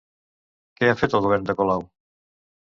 Què ha fet el govern de Colau?